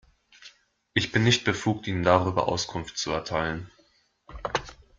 Ich bin nicht befugt, Ihnen darüber Auskunft zu erteilen.